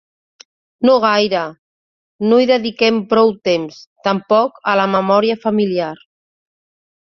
No gaire, no hi dediquem prou temps, tampoc a la memòria familiar.